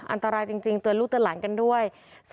อันตรายจริงเตือนลูกเตือนหลานกันด้วย